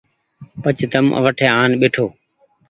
پڇ تم وٽ آن ٻهيٺو